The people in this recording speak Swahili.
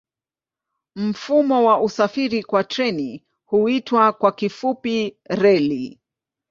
Mfumo wa usafiri kwa treni huitwa kwa kifupi reli.